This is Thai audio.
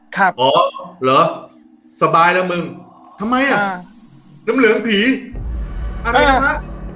อ๋อเหรอสบายแล้วมึงทำไมอ่ะน้ำเหลืองผีอะไรนะฮะ